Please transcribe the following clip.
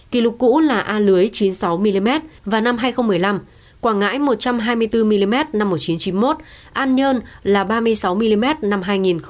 kỷ lục cũ là a lưới chín mươi sáu mm và năm hai nghìn một mươi năm quảng ngãi một trăm hai mươi bốn mm năm một nghìn chín trăm chín mươi một an nhơn là ba mươi sáu mm năm hai nghìn một mươi tám